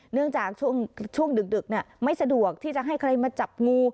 เนื่องจากช่วงดึกไม่สะดวกที่จะให้ใครมาจับงู